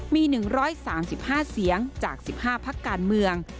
มี๑๓๕เสียงจาก๑๕พักการเมือง